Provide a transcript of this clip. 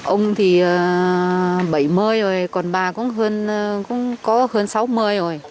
ông thì bảy mươi rồi còn bà cũng có hơn sáu mươi rồi